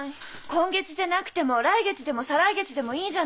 今月じゃなくても来月でも再来月でもいいじゃない。